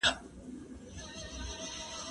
زه باید درس ولولم،